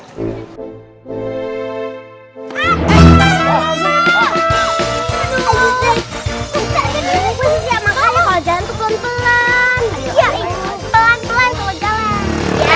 pelan pelan kalau jalan